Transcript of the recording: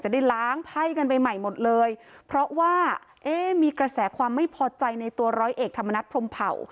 ได้ล้างไพ่กันไปใหม่หมดเลยเพราะว่าเอ๊ะมีกระแสความไม่พอใจในตัวร้อยเอกธรรมนัฐพรมเผ่า